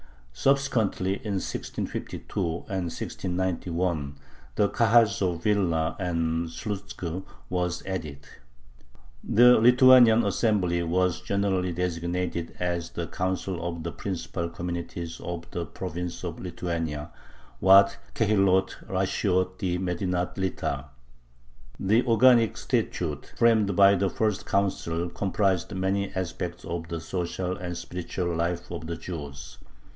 Subsequently, in 1652 and 1691, the Kahals of Vilna and Slutzk were added. The Lithuanian assembly was generally designated as the "Council of the Principal Communities of the Province of Lithuania" (Waad Kehilloth Rashioth di Medinath Lita). The organic statute, framed by the first Council, comprises many aspects of the social and spiritual life of the Jews.